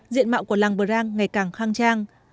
diện mạo của làng prang ngày càng khang trang